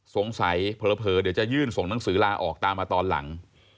สงสัยเผลอเดี๋ยวจะยื่นส่งหนังสือลาออกตามมาตอนหลัง